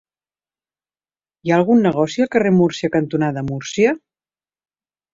Hi ha algun negoci al carrer Múrcia cantonada Múrcia?